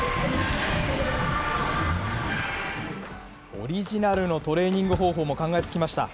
オリジナルのトレーニング方法も考えつきました。